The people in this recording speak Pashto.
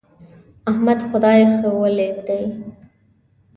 احمد خدای ښويولی دی.